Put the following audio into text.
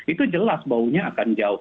itu jelas baunya akan jauh